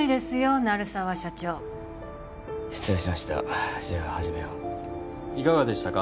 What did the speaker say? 鳴沢社長失礼しましたじゃあ始めよういかがでしたか？